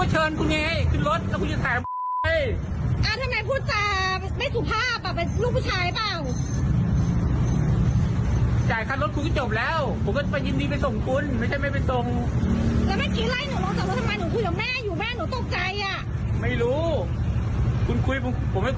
เหวว่าผมให้คุณบอกคามคุณไม่บอกเองอะ